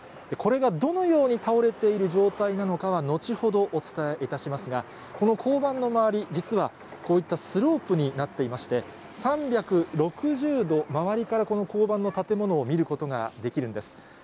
これがどのように倒れている状態なのかは後ほどお伝えいたしますが、この交番の周り、実はこういったスロープになっていまして、３６０度周りからこの交番の建物を見ることができるんです。